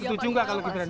setuju nggak kalau gibran